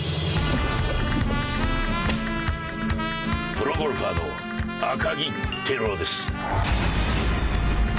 プロゴルファーの赤城輝夫です。